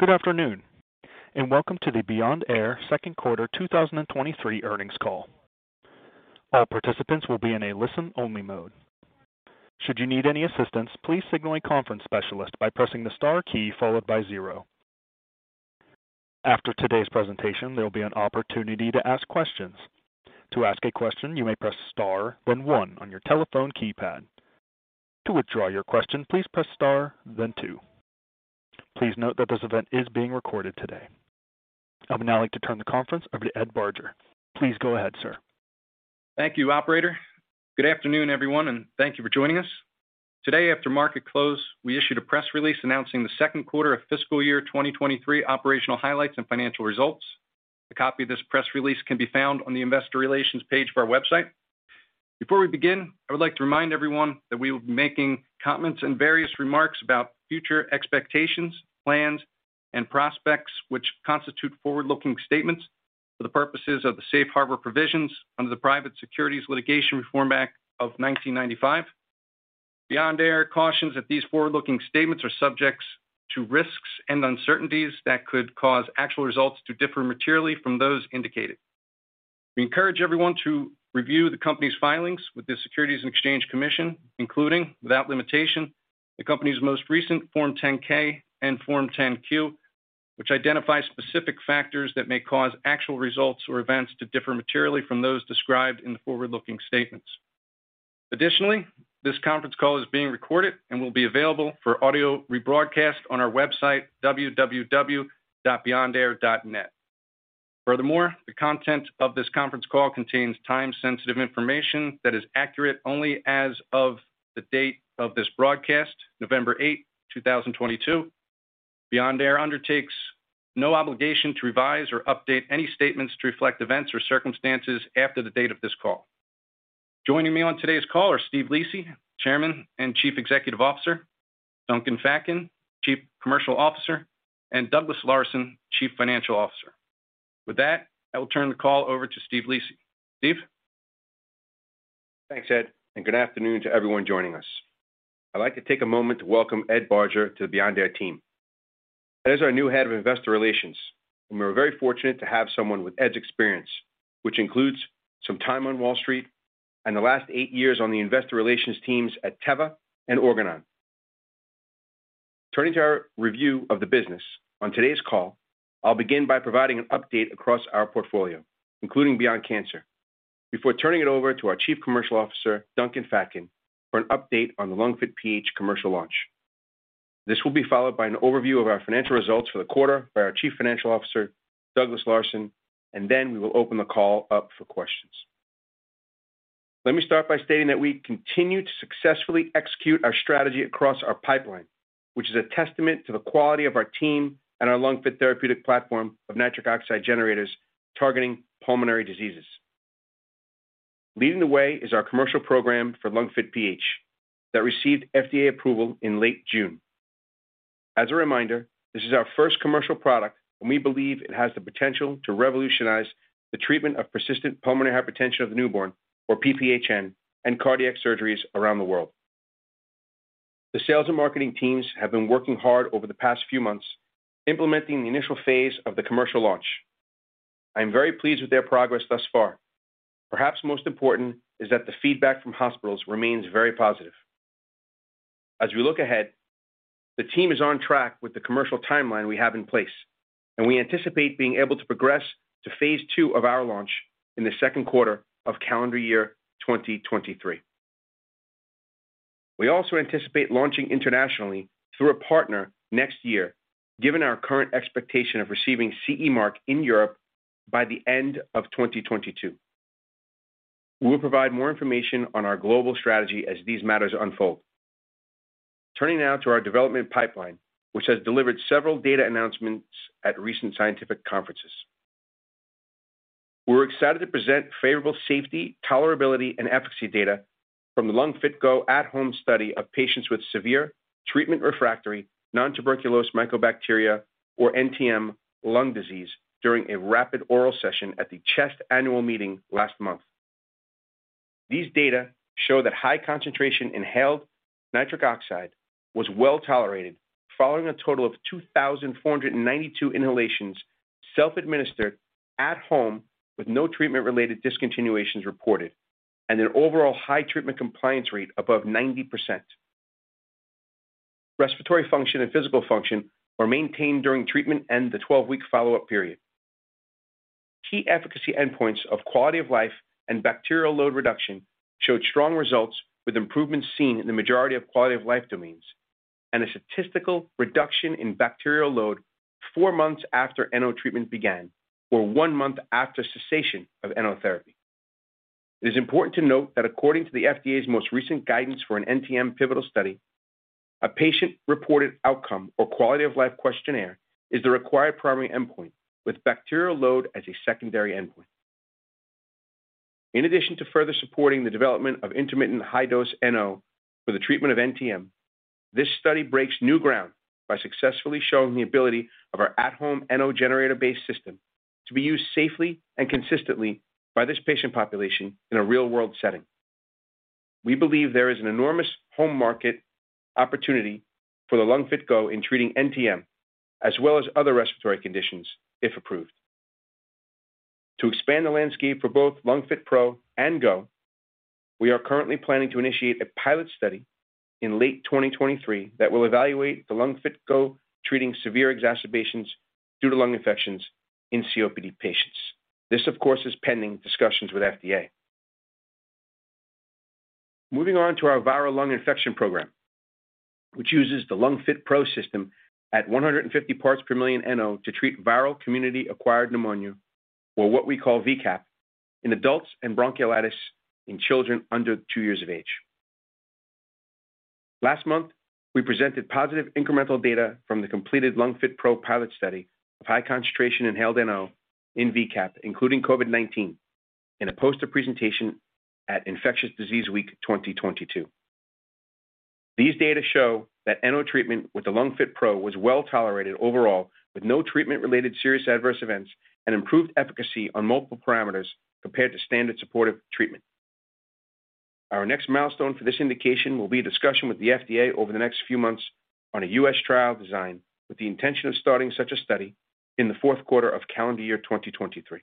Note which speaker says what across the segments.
Speaker 1: Good afternoon, and welcome to the Beyond Air second quarter 2023 earnings call. All participants will be in a listen-only mode. Should you need any assistance, please signal a conference specialist by pressing the star key followed by zero. After today's presentation, there'll be an opportunity to ask questions. To ask a question, you may press star then one on your telephone keypad. To withdraw your question, please press star then two. Please note that this event is being recorded today. I would now like to turn the conference over to Edward Barger. Please go ahead, sir.
Speaker 2: Thank you, operator. Good afternoon, everyone, and thank you for joining us. Today after market close, we issued a press release announcing the second quarter of fiscal year 2023 operational highlights and financial results. A copy of this press release can be found on the investor relations page of our website. Before we begin, I would like to remind everyone that we will be making comments and various remarks about future expectations, plans, and prospects, which constitute forward-looking statements for the purposes of the safe harbor provisions under the Private Securities Litigation Reform Act of 1995. Beyond Air cautions that these forward-looking statements are subjects to risks and uncertainties that could cause actual results to differ materially from those indicated. We encourage everyone to review the company's filings with the Securities and Exchange Commission, including, without limitation, the company's most recent Form 10-K and Form 10-Q, which identify specific factors that may cause actual results or events to differ materially from those described in the forward-looking statements. Additionally, this conference call is being recorded and will be available for audio rebroadcast on our website, www.beyondair.net. Furthermore, the content of this conference call contains time-sensitive information that is accurate only as of the date of this broadcast, November 8, 2022. Beyond Air undertakes no obligation to revise or update any statements to reflect events or circumstances after the date of this call. Joining me on today's call are Steve Lisi, Chairman and Chief Executive Officer, Duncan Fatkin, Chief Commercial Officer, and Douglas Larson, Chief Financial Officer. With that, I will turn the call over to Steve Lisi. Steve?
Speaker 3: Thanks, Ed, and good afternoon to everyone joining us. I'd like to take a moment to welcome Ed Barger to the Beyond Air team. Ed is our new Head of Investor Relations, and we are very fortunate to have someone with Ed's experience, which includes some time on Wall Street and the last eight years on the investor relations teams at Teva and Organon. Turning to our review of the business, on today's call, I'll begin by providing an update across our portfolio, including Beyond Cancer, before turning it over to our Chief Commercial Officer, Duncan Fatkin, for an update on the LungFit PH commercial launch. This will be followed by an overview of our financial results for the quarter by our Chief Financial Officer, Douglas Larson, and then we will open the call up for questions. Let me start by stating that we continue to successfully execute our strategy across our pipeline, which is a testament to the quality of our team and our LungFit therapeutic platform of nitric oxide generators targeting pulmonary diseases. Leading the way is our commercial program for LungFit PH that received FDA approval in late June. As a reminder, this is our first commercial product, and we believe it has the potential to revolutionize the treatment of persistent pulmonary hypertension of the newborn, or PPHN, and cardiac surgeries around the world. The sales and marketing teams have been working hard over the past few months implementing the initial phase of the commercial launch. I am very pleased with their progress thus far. Perhaps most important is that the feedback from hospitals remains very positive. As we look ahead, the team is on track with the commercial timeline we have in place, and we anticipate being able to progress to phase two of our launch in the second quarter of calendar year 2023. We also anticipate launching internationally through a partner next year, given our current expectation of receiving CE mark in Europe by the end of 2022. We will provide more information on our global strategy as these matters unfold. Turning now to our development pipeline, which has delivered several data announcements at recent scientific conferences. We were excited to present favorable safety, tolerability, and efficacy data from the LungFit GO at-home study of patients with severe treatment-refractory nontuberculous mycobacteria, or NTM, lung disease during a rapid oral session at the CHEST Annual Meeting last month. These data show that high-concentration inhaled nitric oxide was well-tolerated following a total of 2,492 inhalations self-administered at home with no treatment-related discontinuations reported and an overall high treatment compliance rate above 90%. Respiratory function and physical function are maintained during treatment and the 12-week follow-up period. Key efficacy endpoints of quality of life and bacterial load reduction showed strong results with improvements seen in the majority of quality-of-life domains and a statistical reduction in bacterial load four months after NO treatment began or one month after cessation of NO therapy. It is important to note that according to the FDA's most recent guidance for an NTM pivotal study, a patient-reported outcome or quality-of-life questionnaire is the required primary endpoint with bacterial load as a secondary endpoint. In addition to further supporting the development of intermittent high-dose NO for the treatment of NTM, this study breaks new ground by successfully showing the ability of our at-home NO generator-based system to be used safely and consistently by this patient population in a real-world setting. We believe there is an enormous home market opportunity for the LungFit GO in treating NTM as well as other respiratory conditions if approved. To expand the landscape for both LungFit PRO and GO, we are currently planning to initiate a pilot study in late 2023 that will evaluate the LungFit GO treating severe exacerbations due to lung infections in COPD patients. This, of course, is pending discussions with FDA. Moving on to our viral lung infection program, which uses the LungFit PRO system at 150 parts per million NO to treat viral community-acquired pneumonia, or what we call VCAP, in adults and bronchiolitis in children under two years of age. Last month, we presented positive incremental data from the completed LungFit PRO pilot study of high concentration inhaled NO in VCAP, including COVID-19, in a poster presentation at IDWeek 2022. These data show that NO treatment with the LungFit PRO was well-tolerated overall, with no treatment-related serious adverse events and improved efficacy on multiple parameters compared to standard supportive treatment. Our next milestone for this indication will be a discussion with the FDA over the next few months on a U.S. trial design with the intention of starting such a study in the fourth quarter of calendar year 2023.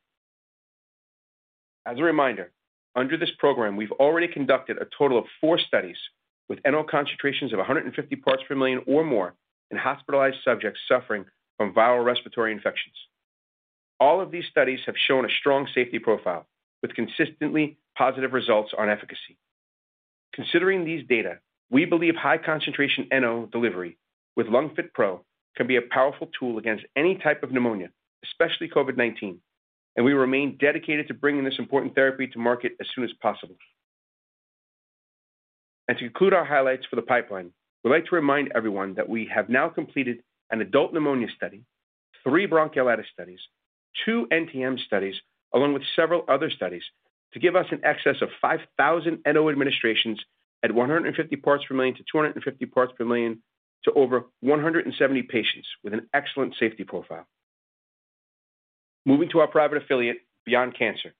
Speaker 3: As a reminder, under this program, we've already conducted a total of four studies with NO concentrations of 150 parts per million or more in hospitalized subjects suffering from viral respiratory infections. All of these studies have shown a strong safety profile with consistently positive results on efficacy. Considering these data, we believe high concentration NO delivery with LungFit PRO can be a powerful tool against any type of pneumonia, especially COVID-19, and we remain dedicated to bringing this important therapy to market as soon as possible. To conclude our highlights for the pipeline, we'd like to remind everyone that we have now completed an adult pneumonia study, three bronchiolitis studies, two NTM studies, along with several other studies to give us an excess of 5,000 NO administrations at 150 parts per million to 250 parts per million to over 170 patients with an excellent safety profile. Moving to our private affiliate, Beyond Cancer.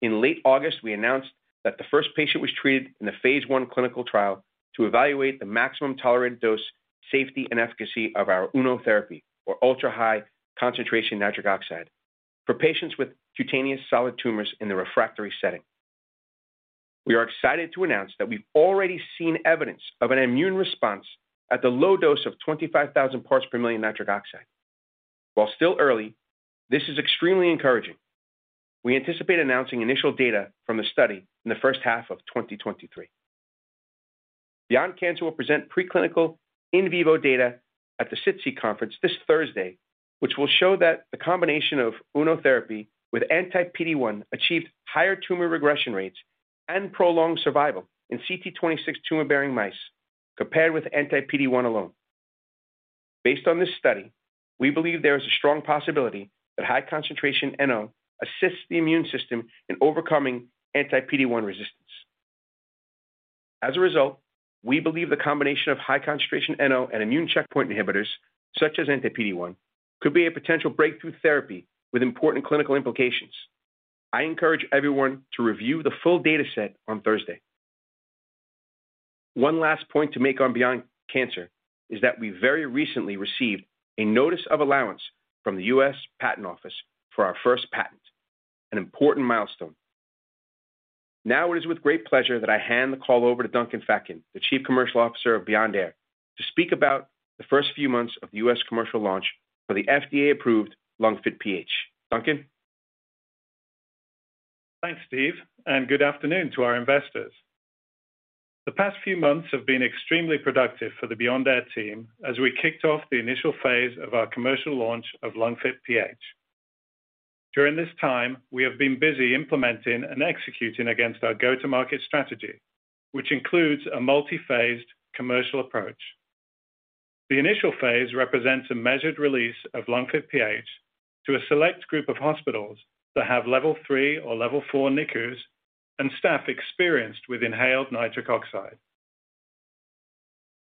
Speaker 3: In late August, we announced that the first patient was treated in a phase I clinical trial to evaluate the maximum tolerant dose, safety, and efficacy of our UNO therapy or ultra-high concentration nitric oxide for patients with cutaneous solid tumors in the refractory setting. We are excited to announce that we've already seen evidence of an immune response at the low dose of 25,000 parts per million nitric oxide. While still early, this is extremely encouraging. We anticipate announcing initial data from the study in the first half of 2023. Beyond Cancer will present preclinical in vivo data at the SITC conference this Thursday, which will show that the combination of UNO therapy with anti-PD-1 achieved higher tumor regression rates and prolonged survival in CT26 tumor-bearing mice compared with anti-PD-1 alone. Based on this study, we believe there is a strong possibility that high concentration NO assists the immune system in overcoming anti-PD-1 resistance. As a result, we believe the combination of high concentration NO and immune checkpoint inhibitors such as anti-PD-1 could be a potential breakthrough therapy with important clinical implications. I encourage everyone to review the full data set on Thursday. One last point to make on Beyond Cancer is that we very recently received a notice of allowance from the U.S. Patent Office for our first patent, an important milestone. It is with great pleasure that I hand the call over to Duncan Fatkin, the Chief Commercial Officer of Beyond Air, to speak about the first few months of the U.S. commercial launch for the FDA-approved LungFit PH. Duncan?
Speaker 4: Thanks, Steve, and good afternoon to our investors. The past few months have been extremely productive for the Beyond Air team as we kicked off the initial phase of our commercial launch of LungFit PH. During this time, we have been busy implementing and executing against our go-to-market strategy, which includes a multi-phased commercial approach. The initial phase represents a measured release of LungFit PH to a select group of hospitals that have level 3 or level 4 NICUs and staff experienced with inhaled nitric oxide.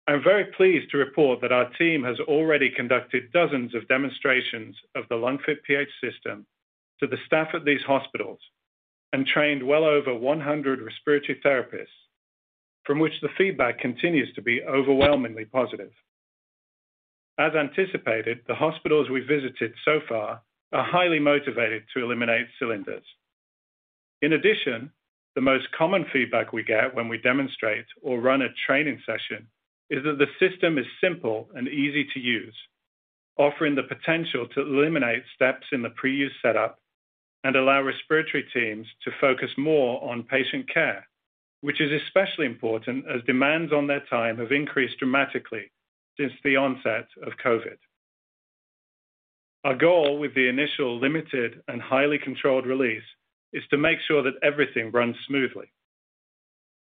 Speaker 4: I'm very pleased to report that our team has already conducted dozens of demonstrations of the LungFit PH system to the staff at these hospitals and trained well over 100 respiratory therapists, from which the feedback continues to be overwhelmingly positive. As anticipated, the hospitals we visited so far are highly motivated to eliminate cylinders. In addition, the most common feedback we get when we demonstrate or run a training session is that the system is simple and easy to use, offering the potential to eliminate steps in the pre-use setup and allow respiratory teams to focus more on patient care, which is especially important as demands on their time have increased dramatically since the onset of COVID. Our goal with the initial limited and highly controlled release is to make sure that everything runs smoothly.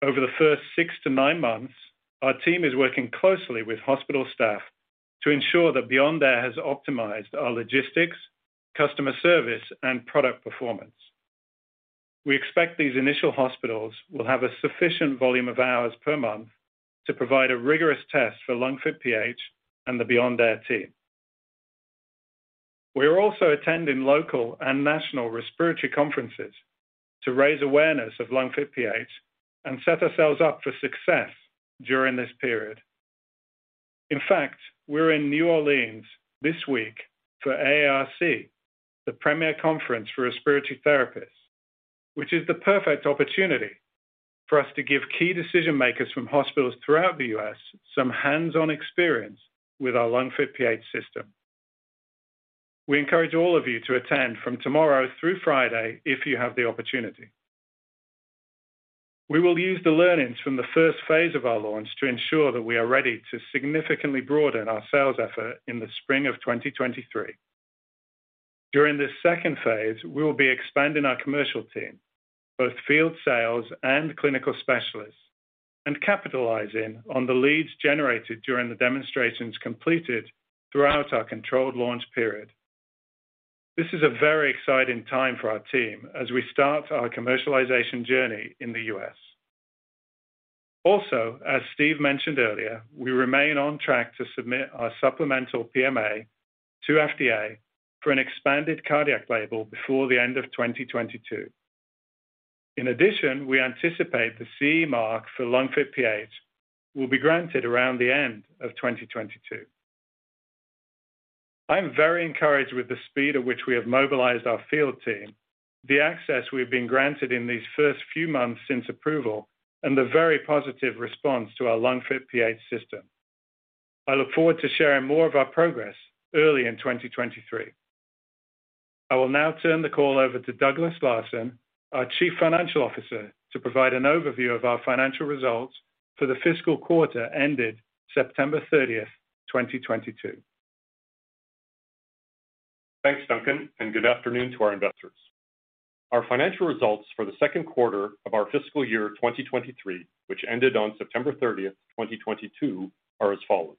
Speaker 4: Over the first six to nine months, our team is working closely with hospital staff to ensure that Beyond Air has optimized our logistics, customer service, and product performance. We expect these initial hospitals will have a sufficient volume of hours per month to provide a rigorous test for LungFit PH and the Beyond Air team. We are also attending local and national respiratory conferences to raise awareness of LungFit PH and set ourselves up for success during this period. In fact, we're in New Orleans this week for AARC, the premier conference for respiratory therapists, which is the perfect opportunity for us to give key decision-makers from hospitals throughout the U.S. some hands-on experience with our LungFit PH system. We encourage all of you to attend from tomorrow through Friday if you have the opportunity. We will use the learnings from the first phase of our launch to ensure that we are ready to significantly broaden our sales effort in the spring of 2023. During this second phase, we will be expanding our commercial team, both field sales and clinical specialists, and capitalizing on the leads generated during the demonstrations completed throughout our controlled launch period. This is a very exciting time for our team as we start our commercialization journey in the U.S. Also, as Steve mentioned earlier, we remain on track to submit our supplemental PMA to FDA for an expanded cardiac label before the end of 2022. In addition, we anticipate the CE mark for LungFit PH will be granted around the end of 2022. I am very encouraged with the speed at which we have mobilized our field team, the access we've been granted in these first few months since approval, and the very positive response to our LungFit PH system. I look forward to sharing more of our progress early in 2023. I will now turn the call over to Douglas Larson, our Chief Financial Officer, to provide an overview of our financial results for the fiscal quarter ended September 30, 2022.
Speaker 5: Thanks, Duncan. Good afternoon to our investors. Our financial results for the second quarter of our fiscal year 2023, which ended on September 30th, 2022, are as follows.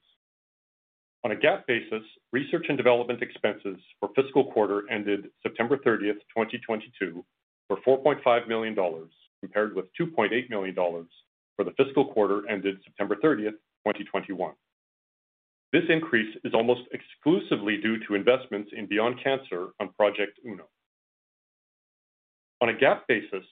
Speaker 5: On a GAAP basis, research and development expenses for the fiscal quarter ended September 30th, 2022, were $4.5 million, compared with $2.8 million for the fiscal quarter ended September 30th, 2021. This increase is almost exclusively due to investments in Beyond Cancer on Project Uno. On a GAAP basis,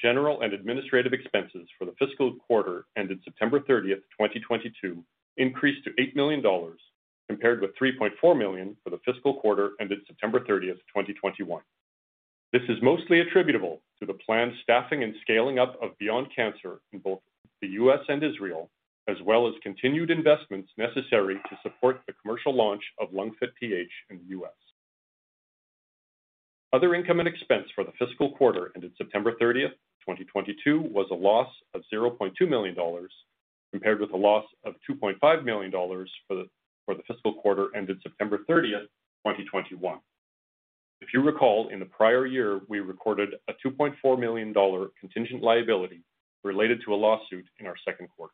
Speaker 5: general and administrative expenses for the fiscal quarter ended September 30th, 2022, increased to $8 million, compared with $3.4 million for the fiscal quarter ended September 30th, 2021. This is mostly attributable to the planned staffing and scaling up of Beyond Cancer in both the U.S. and Israel, as well as continued investments necessary to support the commercial launch of LungFit PH in the U.S. Other income and expense for the fiscal quarter ended September 30th, 2022, was a loss of $0.2 million, compared with a loss of $2.5 million for the fiscal quarter ended September 30th, 2021. If you recall, in the prior year, we recorded a $2.4 million contingent liability related to a lawsuit in our second quarter.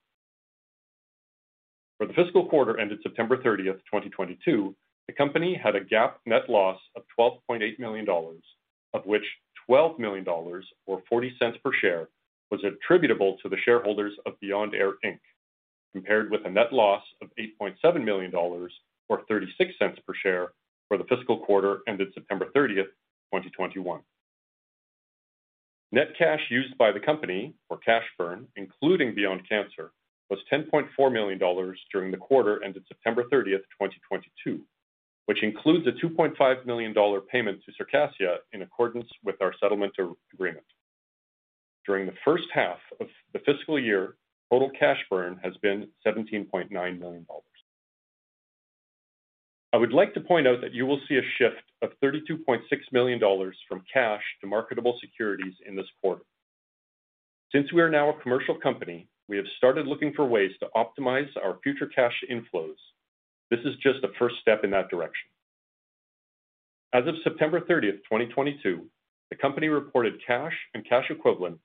Speaker 5: For the fiscal quarter ended September 30th, 2022, the company had a GAAP net loss of $12.8 million, of which $12 million, or $0.40 per share, was attributable to the shareholders of Beyond Air, Inc., compared with a net loss of $8.7 million, or $0.36 per share for the fiscal quarter ended September 30th, 2021. Net cash used by the company, or cash burn, including Beyond Cancer, was $10.4 million during the quarter ended September 30th, 2022, which includes a $2.5 million payment to Circassia in accordance with our settlement agreement. During the first half of the fiscal year, total cash burn has been $17.9 million. I would like to point out that you will see a shift of $32.6 million from cash to marketable securities in this quarter. Since we are now a commercial company, we have started looking for ways to optimize our future cash inflows. This is just a first step in that direction. As of September 30th, 2022, the company reported cash and cash equivalents,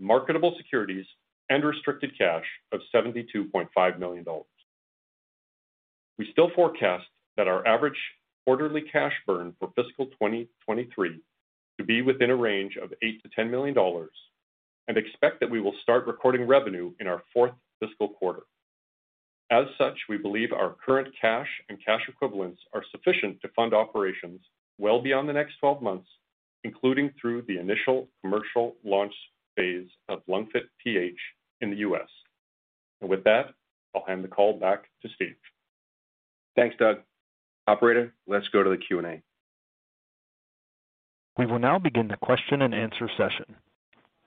Speaker 5: marketable securities, and restricted cash of $72.5 million. We still forecast that our average quarterly cash burn for fiscal 2023 to be within a range of $8 million-$10 million, and expect that we will start recording revenue in our fourth fiscal quarter. As such, we believe our current cash and cash equivalents are sufficient to fund operations well beyond the next 12 months, including through the initial commercial launch phase of LungFit PH in the U.S. With that, I'll hand the call back to Steve.
Speaker 3: Thanks, Doug. Operator, let's go to the Q&A.
Speaker 1: We will now begin the question and answer session.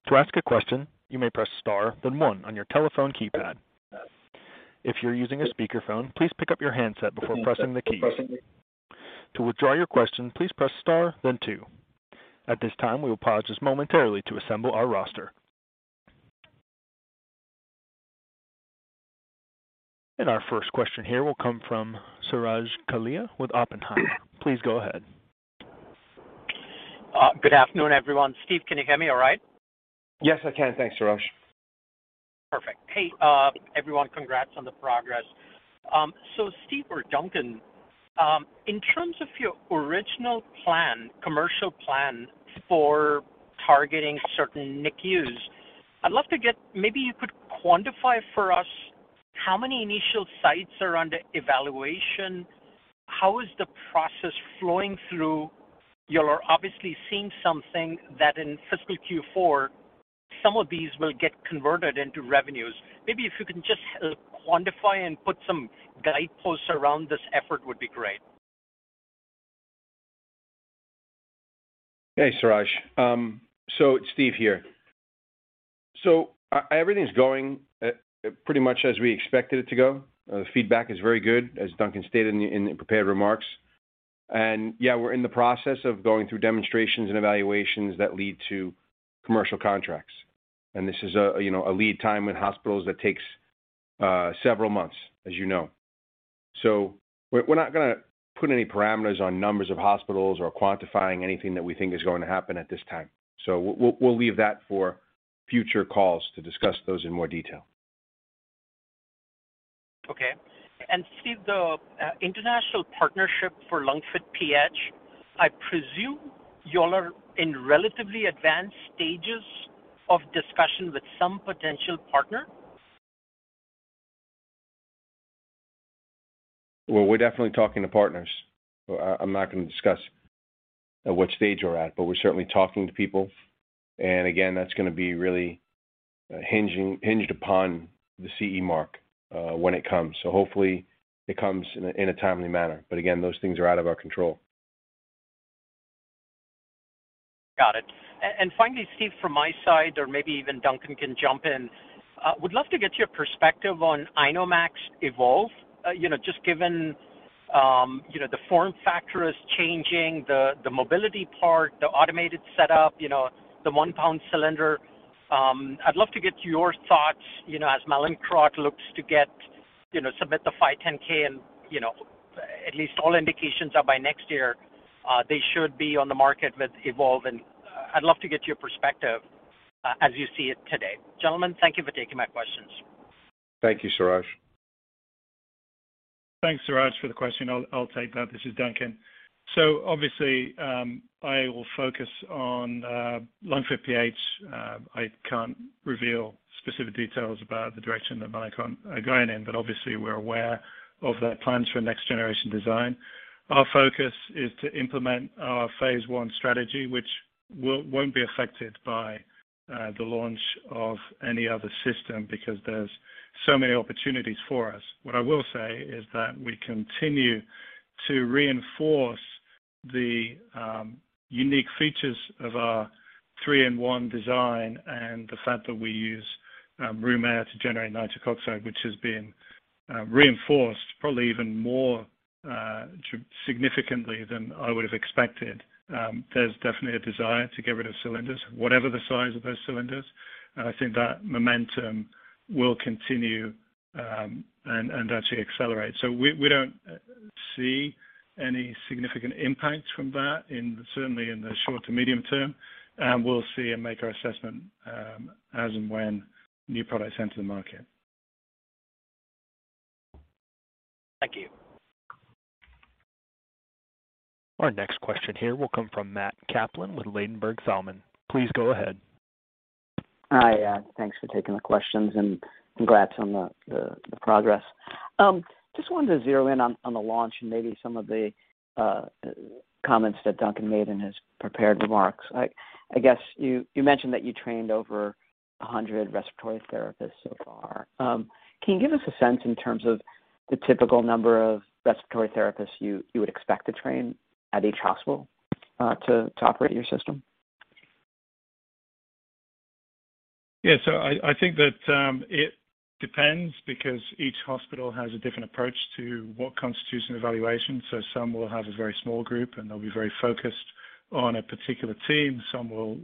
Speaker 1: To ask a question, you may press star then one on your telephone keypad. If you're using a speakerphone, please pick up your handset before pressing the keys. To withdraw your question, please press star then two. At this time, we will pause just momentarily to assemble our roster. Our first question here will come from Suraj Kalia with Oppenheimer. Please go ahead.
Speaker 6: Good afternoon, everyone. Steve, can you hear me all right?
Speaker 3: Yes, I can. Thanks, Suraj.
Speaker 6: Perfect. Hey, everyone. Congrats on the progress. Steve or Duncan, in terms of your original plan, commercial plan for targeting certain NICUs, I'd love to get, you could quantify for us how many initial sites are under evaluation? How is the process flowing through? You all are obviously seeing something that in fiscal Q4, some of these will get converted into revenues. If you can just quantify and put some guideposts around this effort would be great.
Speaker 3: Hey, Suraj. It's Steve here. Everything's going pretty much as we expected it to go. The feedback is very good, as Duncan stated in the prepared remarks. Yeah, we're in the process of going through demonstrations and evaluations that lead to commercial contracts. This is a lead time with hospitals that takes several months, as you know. We're not going to put any parameters on numbers of hospitals or quantifying anything that we think is going to happen at this time. We'll leave that for future calls to discuss those in more detail.
Speaker 6: Okay. Steve, the international partnership for LungFit PH, I presume you all are in relatively advanced stages of discussion with some potential partner?
Speaker 3: We're definitely talking to partners. I'm not going to discuss at what stage we're at, we're certainly talking to people. Again, that's going to be really hinged upon the CE mark when it comes. Hopefully it comes in a timely manner. Again, those things are out of our control.
Speaker 6: Got it. Finally, Steve, from my side, or maybe even Duncan can jump in, would love to get your perspective on INOmax EVOLVE. Just given the form factor is changing, the mobility part, the automated setup, the one-pound cylinder. I'd love to get your thoughts, as Mallinckrodt looks to submit the 510 and at least all indications are by next year they should be on the market with Evolve. I'd love to get your perspective as you see it today. Gentlemen, thank you for taking my questions.
Speaker 3: Thank you, Suraj.
Speaker 4: Thanks, Suraj, for the question. I'll take that. This is Duncan. Obviously, I will focus on LungFit PH. I can't reveal specific details about the direction that Mallinckrodt are going in, but obviously, we're aware of their plans for next-generation design. Our focus is to implement our phase one strategy, which won't be affected by the launch of any other system because there's so many opportunities for us. What I will say is that we continue to reinforce the unique features of our three-in-one design and the fact that we use room air to generate nitric oxide, which has been reinforced, probably even more significantly than I would have expected. There's definitely a desire to get rid of cylinders, whatever the size of those cylinders. I think that momentum will continue, and actually accelerate. We don't see any significant impact from that, certainly in the short to medium term. We'll see and make our assessment as and when new products enter the market.
Speaker 6: Thank you.
Speaker 1: Our next question here will come from Matthew Kaplan with Ladenburg Thalmann. Please go ahead.
Speaker 7: Hi. Thanks for taking the questions and congrats on the progress. Just wanted to zero in on the launch and maybe some of the comments that Duncan made in his prepared remarks. I guess you mentioned that you trained over 100 respiratory therapists so far. Can you give us a sense in terms of the typical number of respiratory therapists you would expect to train at each hospital to operate your system?
Speaker 4: Yeah. I think that it depends because each hospital has a different approach to what constitutes an evaluation. Some will have a very small group, and they'll be very focused on a particular team. Some will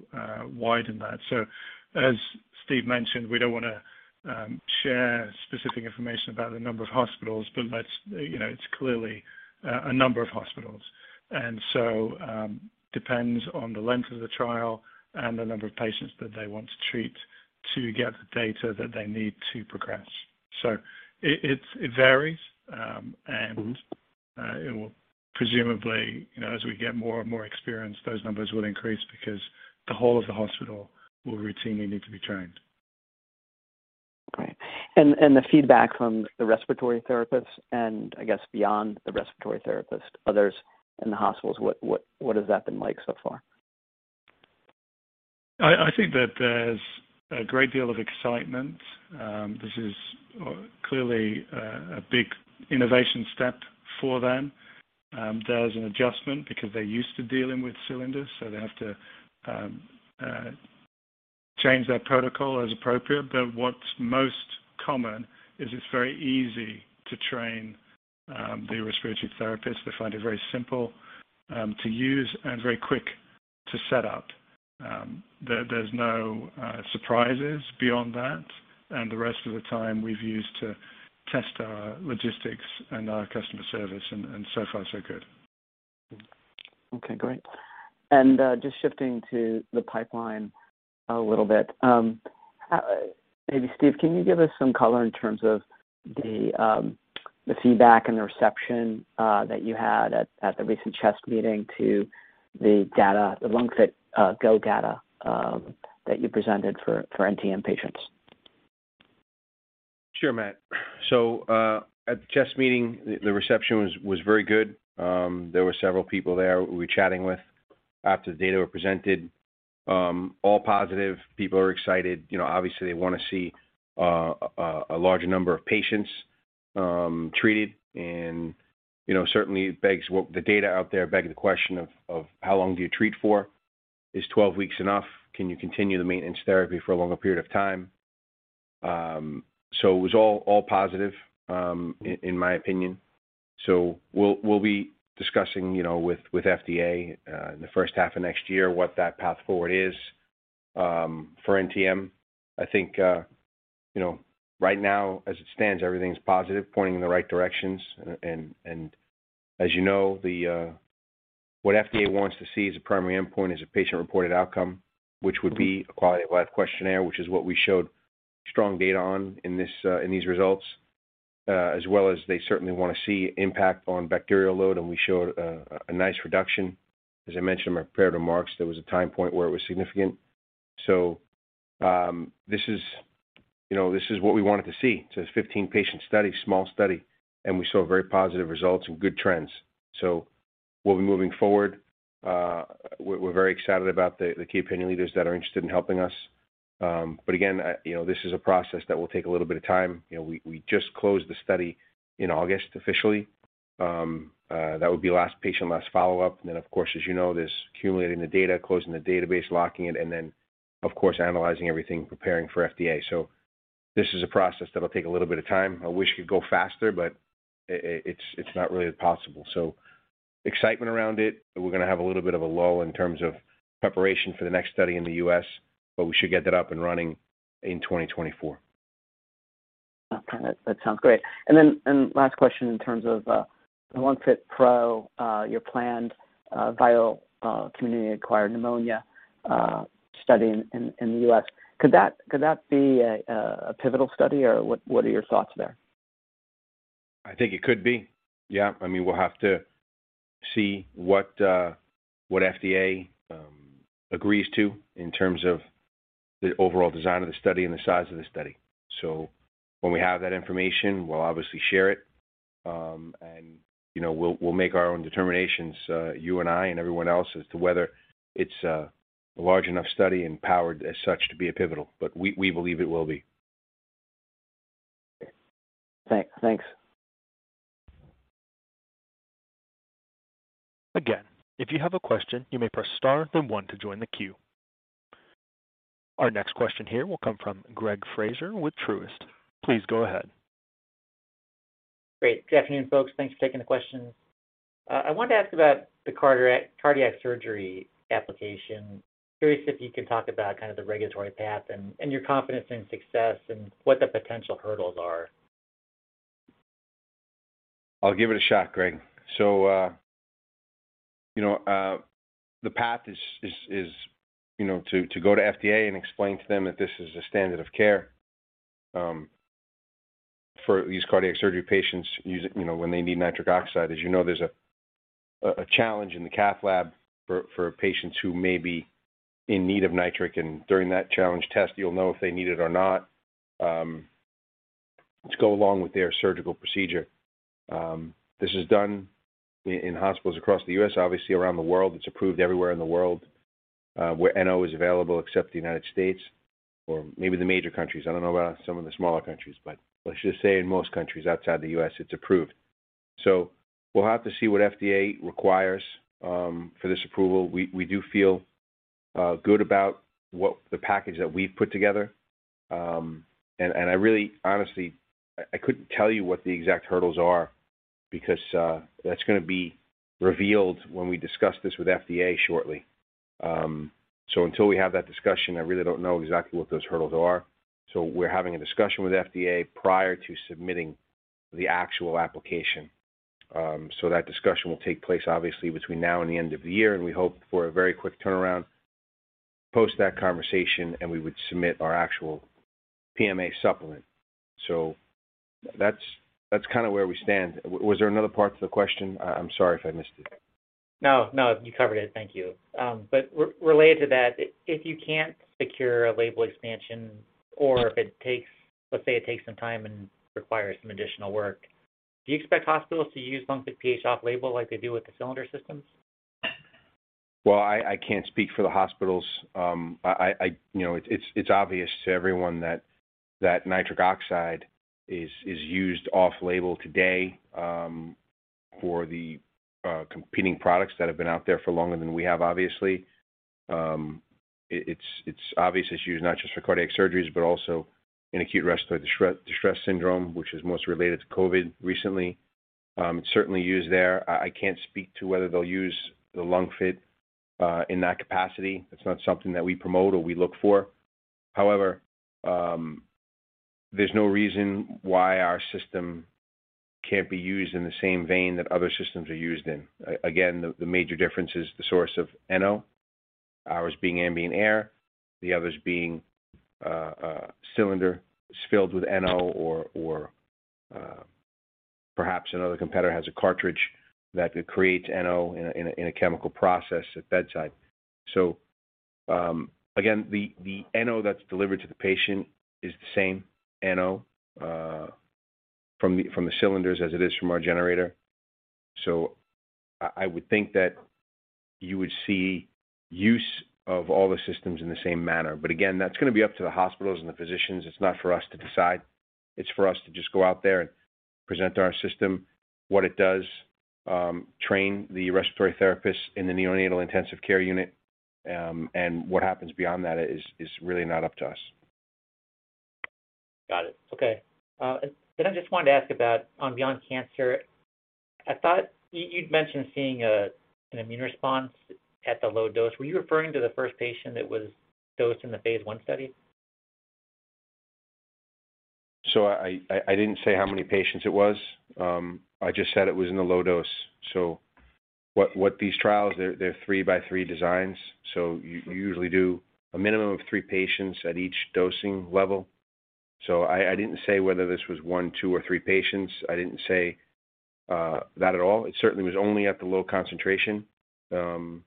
Speaker 4: widen that. As Steve mentioned, we don't want to share specific information about the number of hospitals, but it's clearly a number of hospitals. Depends on the length of the trial and the number of patients that they want to treat to get the data that they need to progress. It varies, and it will presumably, as we get more and more experienced, those numbers will increase because the whole of the hospital will routinely need to be trained.
Speaker 7: Great. The feedback from the respiratory therapists, and I guess beyond the respiratory therapist, others in the hospitals, what has that been like so far?
Speaker 4: I think that there's a great deal of excitement. This is clearly a big innovation step for them. There's an adjustment because they're used to dealing with cylinders, so they have to change their protocol as appropriate. What's most common is it's very easy to train the respiratory therapist. They find it very simple to use and very quick to set up. There's no surprises beyond that, and the rest of the time we've used to test our logistics and our customer service, and so far so good.
Speaker 7: Okay, great. Just shifting to the pipeline a little bit. Maybe Steve, can you give us some color in terms of The feedback and the reception that you had at the recent CHEST meeting to the LungFit GO data that you presented for NTM patients.
Speaker 3: Sure, Matt. At the CHEST meeting, the reception was very good. There were several people there who we were chatting with after the data were presented. All positive. People are excited. Obviously, they want to see a larger number of patients treated. Certainly, the data out there beg the question of how long do you treat for? Is 12 weeks enough? Can you continue the maintenance therapy for a longer period of time? It was all positive in my opinion. We'll be discussing with FDA in the first half of next year what that path forward is for NTM. I think right now as it stands, everything's positive, pointing in the right directions. As you know, what FDA wants to see as a primary endpoint is a patient-reported outcome, which would be a quality of life questionnaire, which is what we showed strong data on in these results. They certainly want to see impact on bacterial load, and we showed a nice reduction. As I mentioned in my prepared remarks, there was a time point where it was significant. This is what we wanted to see. This is a 15-patient study, small study, and we saw very positive results and good trends. We'll be moving forward. We're very excited about the key opinion leaders that are interested in helping us. Again, this is a process that will take a little bit of time. We just closed the study in August officially. That would be last patient, last follow-up, then, of course, as you know, there's accumulating the data, closing the database, locking it, then, of course, analyzing everything, preparing for FDA. This is a process that'll take a little bit of time. I wish it could go faster, it's not really possible. Excitement around it, we're going to have a little bit of a lull in terms of preparation for the next study in the U.S., we should get that up and running in 2024.
Speaker 7: Okay. That sounds great. Last question in terms of the LungFit PRO, your planned viral community-acquired pneumonia study in the U.S. Could that be a pivotal study, or what are your thoughts there?
Speaker 3: I think it could be. Yeah. We'll have to see what FDA agrees to in terms of the overall design of the study and the size of the study. When we have that information, we'll obviously share it. We'll make our own determinations, you and I and everyone else, as to whether it's a large enough study and powered as such to be pivotal. We believe it will be.
Speaker 7: Okay. Thanks.
Speaker 1: Again, if you have a question, you may press star then one to join the queue. Our next question here will come from Gregory Fraser with Truist. Please go ahead.
Speaker 8: Great. Good afternoon, folks. Thanks for taking the questions. I wanted to ask about the cardiac surgery application. Curious if you can talk about kind of the regulatory path and your confidence in success and what the potential hurdles are.
Speaker 3: I'll give it a shot, Greg. The path is to go to FDA and explain to them that this is a standard of care for these cardiac surgery patients when they need nitric oxide. As you know, there's a challenge in the cath lab for patients who may be in need of nitric, and during that challenge test, you'll know if they need it or not to go along with their surgical procedure. This is done in hospitals across the U.S., obviously around the world. It's approved everywhere in the world where NO is available except the United States, or maybe the major countries. I don't know about some of the smaller countries, but let's just say in most countries outside the U.S., it's approved. We'll have to see what FDA requires for this approval. We do feel good about the package that we've put together. I really, honestly, I couldn't tell you what the exact hurdles are because that's going to be revealed when we discuss this with FDA shortly. Until we have that discussion, I really don't know exactly what those hurdles are. We're having a discussion with FDA prior to submitting the actual application. That discussion will take place obviously between now and the end of the year, and we hope for a very quick turnaround post that conversation, and we would submit our actual PMA supplement. That's kind of where we stand. Was there another part to the question? I'm sorry if I missed it.
Speaker 8: No, you covered it. Thank you. Related to that, if you can't secure a label expansion or if it takes, let's say it takes some time and requires some additional work, do you expect hospitals to use LungFit PH off label like they do with the cylinder systems?
Speaker 3: Well, I can't speak for the hospitals. It's obvious to everyone that nitric oxide is used off label today for the competing products that have been out there for longer than we have, obviously. It's obvious it's used not just for cardiac surgeries, but also in acute respiratory distress syndrome, which is most related to COVID recently. It's certainly used there. I can't speak to whether they'll use the LungFit in that capacity. It's not something that we promote or we look for. However, there's no reason why our system can't be used in the same vein that other systems are used in. Again, the major difference is the source of NO. Ours being ambient air, the others being cylinders filled with NO or perhaps another competitor has a cartridge that creates NO in a chemical process at bedside. Again, the NO that's delivered to the patient is the same NO from the cylinders as it is from our generator. I would think that you would see use of all the systems in the same manner. Again, that's going to be up to the hospitals and the physicians. It's not for us to decide. It's for us to just go out there and present our system, what it does, train the respiratory therapists in the neonatal intensive care unit, and what happens beyond that is really not up to us.
Speaker 8: Got it. Okay. I just wanted to ask about on Beyond Cancer, I thought you'd mentioned seeing an immune response at the low dose. Were you referring to the first patient that was dosed in the phase I study?
Speaker 3: I didn't say how many patients it was. I just said it was in the low dose. What these trials, they're three-by-three designs, you usually do a minimum of three patients at each dosing level. I didn't say whether this was one, two, or three patients. I didn't say that at all. It certainly was only at the low concentration. I'm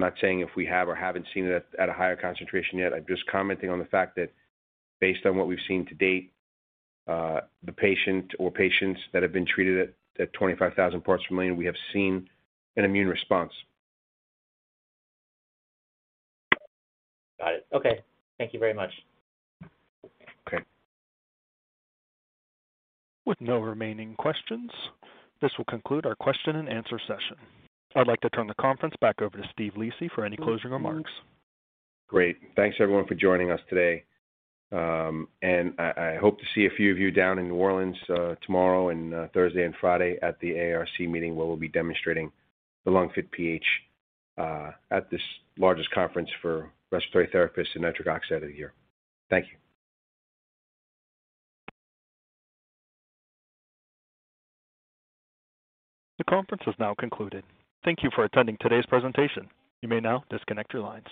Speaker 3: not saying if we have or haven't seen it at a higher concentration yet. I'm just commenting on the fact that based on what we've seen to date, the patient or patients that have been treated at 25,000 parts per million, we have seen an immune response.
Speaker 8: Got it. Okay. Thank you very much.
Speaker 3: Okay.
Speaker 1: With no remaining questions, this will conclude our question and answer session. I'd like to turn the conference back over to Steve Lisi for any closing remarks.
Speaker 3: Great. Thanks everyone for joining us today. I hope to see a few of you down in New Orleans tomorrow and Thursday and Friday at the AARC meeting where we'll be demonstrating the LungFit PH at this largest conference for respiratory therapists and nitric oxide of the year. Thank you.
Speaker 1: The conference has now concluded. Thank you for attending today's presentation. You may now disconnect your lines.